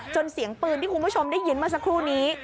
เสียงปืนที่คุณผู้ชมได้ยินเมื่อสักครู่นี้